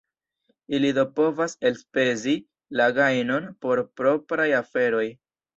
Ili do povas elspezi la gajnon por propraj aferoj.